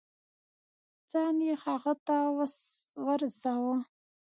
ځان يې هغه ته ورساوه.